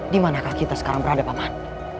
dimanakah kita sekarang berada paman